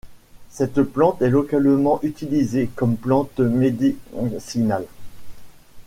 Cette plante est localement utilisée comme plante médicinale.